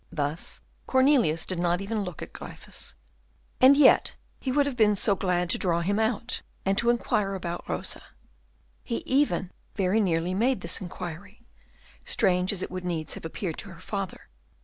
Thus Cornelius did not even look at Gryphus. And yet he would have been so glad to draw him out, and to inquire about Rosa. He even very nearly made this inquiry, strange as it would needs have appeared to her father.